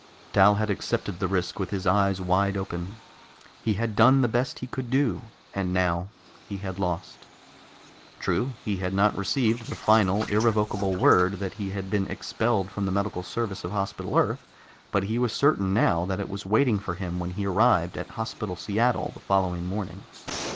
Dal had accepted the risk with his eyes wide open. He had done the best he could do, and now he had lost. True, he had not received the final, irrevocable word that he had been expelled from the medical service of Hospital Earth, but he was certain now that it was waiting for him when he arrived at Hospital Seattle the following morning.